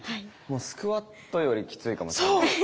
もうスクワットよりキツいかもしれない。